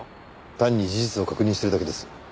単に事実を確認してるだけです。